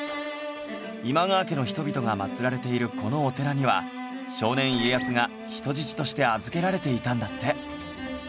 今川家の人々が祀られているこのお寺には少年家康が人質として預けられていたんだって